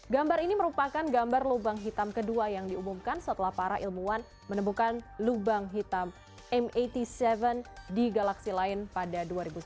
gambar ini merupakan gambar lubang hitam kedua yang diumumkan setelah para ilmuwan menemukan lubang hitam m delapan puluh tujuh di galaksi lain pada dua ribu sembilan belas